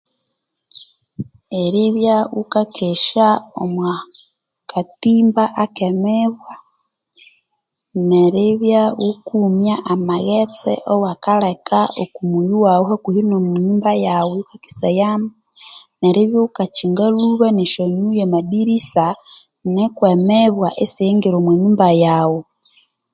Eribya ghuka kesya omwa katimba ak'emibwa neribya ghukumya amaghetse awakaleka, okulhuyi lhwaghu, hakuhi nomunyumba yaghu eyaghukakesayamu neribya ghukakyinga lhuba nesyo nyuyi na madirisa nuko emibwa isiyingira omwa nyumba yaghu